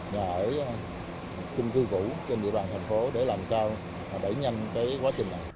nhà ở chung cư cũ trên địa bàn thành phố để làm sao đẩy nhanh cái quá trình này